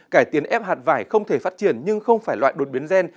cải tiến ép hạt vải không thể phát triển nhưng không phải loại đột biến gen